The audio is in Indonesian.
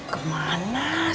sama dua times